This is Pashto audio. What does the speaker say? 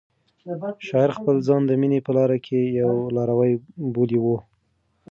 شاعر خپل ځان د مینې په لاره کې یو لاروی بولي.